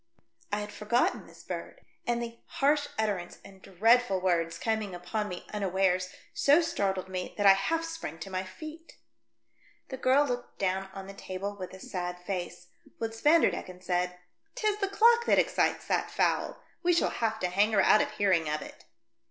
I had forgotten this bird, and the harsh utterance and dreadful words coming upon me unawares so starded me that I half sprang to my feet. I AM SHOWN A PRESENT FOR MARGARETIIA. T I9 The girl looked down on the table with a sad face, whilst Vanderdecken said, "'Tis the clock that excites that fowl ; we shall have to hang her out of hearing of it."